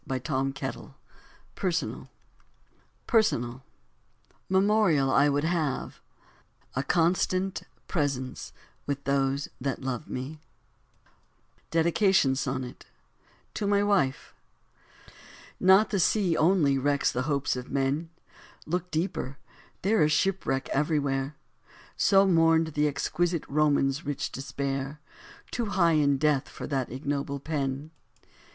and THE TALBOT PRESS PERSONAL "Memorial I would have ... a constant presence with those that love me" DEDICATION SONNET TO MY WIFE "Not the sea, only, wrecks the hopes of men, Look deeper, there is shipwreck everywhere," So mourned the exquisite Roman's rich despair, Too high in death for that ignoble pen.